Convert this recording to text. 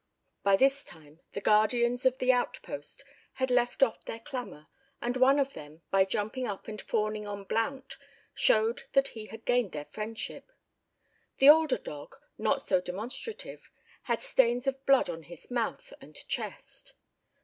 By this time the guardians of the outpost had left off their clamour, and one of them, by jumping up and fawning on Blount, showed that he had gained their friendship. The older dog, not so demonstrative, had stains of blood on his mouth and chest.